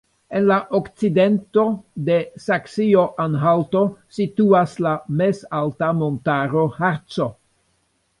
En la okcidento de Saksio-Anhalto situas la mezalta montaro Harco.